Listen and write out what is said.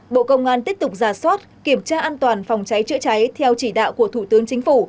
bộ công an tiếp tục giả soát kiểm tra an toàn phòng cháy chữa cháy theo chỉ đạo của thủ tướng chính phủ